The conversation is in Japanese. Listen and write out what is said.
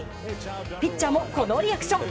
ピッチャーもこのリアクション。